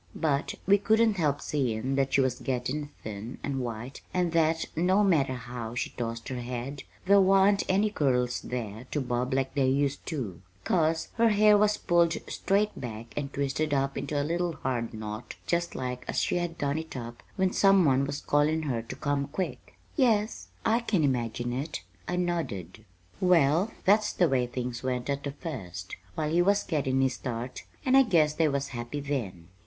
"But we couldn't help seein' that she was gettin' thin and white and that no matter how she tossed her head, there wa'n't any curls there to bob like they used to, 'cause her hair was pulled straight back and twisted up into a little hard knot just like as if she had done it up when some one was callin' her to come quick." "Yes, I can imagine it," I nodded. "Well, that's the way things went at the first, while he was gettin' his start, and I guess they was happy then.